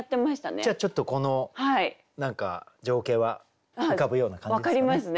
じゃあちょっとこの何か情景は浮かぶような感じですかね。